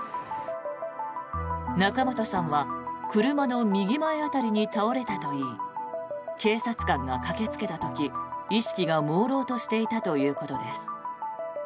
仲本さんは車の右前辺りに倒れたといい警察官が駆けつけた時意識がもうろうとしていたということです。